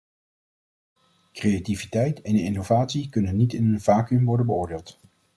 Creativiteit en innovatie kunnen niet in een vacuüm worden beoordeeld.